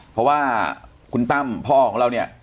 เพราะว่าคุณตั้มพ่อของเราเนี่ย